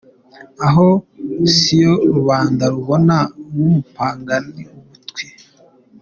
Aho siyo rubanda rubona nk’umupagani butwi?